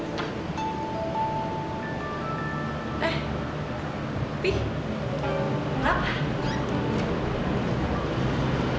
eh pih kenapa